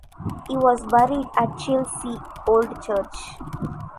He was buried at Chelsea Old Church.